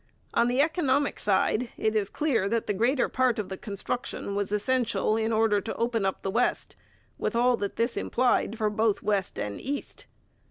On the economic side, it is clear that the greater part of the construction was essential in order to open up the West, with all that this implied for both West and East.